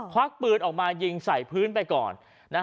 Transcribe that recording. ควักปืนออกมายิงใส่พื้นไปก่อน